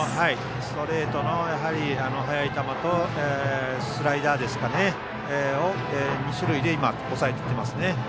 ストレートの速い球とスライダーの２種類で抑えていっていますね。